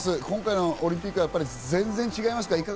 今回のオリンピックは全然違いますか？